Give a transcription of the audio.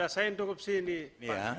saya indukupsi ini pak